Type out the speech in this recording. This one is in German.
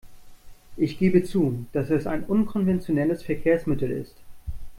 Ich gebe zu, dass es ein unkonventionelles Verkehrsmittel ist.